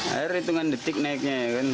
air hitungan detik naiknya ya kan